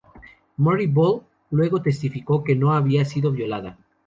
Mary Ball luego testificó que no había sido violada.